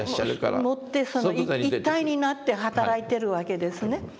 持って一体になって働いてるわけですね。